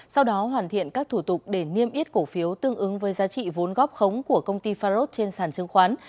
sau đó hoàn thiện các thủ tục để niêm yết cổ phiếu tương ứng với giá trị vốn góp khống của công ty farod trên sản chứng khoán